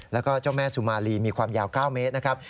แล้วก็เจ้าแม่สุมาลีมีความยาว๙เมตรนะครับ